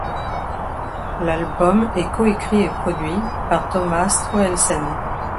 L'album est coécrit et produit par Thomas Troelsen.